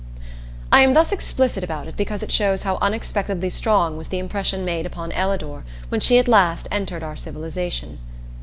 I am thus explicit about it because it shows how unexpectedly strong was the impression made upon Ellador when she at last entered our civilization.